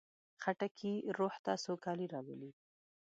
خټکی روح ته سوکالي راولي.